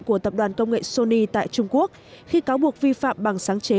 của tập đoàn công nghệ sony tại trung quốc khi cáo buộc vi phạm bằng sáng chế